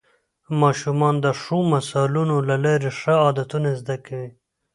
ماشومان د ښو مثالونو له لارې ښه عادتونه زده کوي